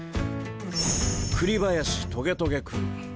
栗林トゲトゲ君。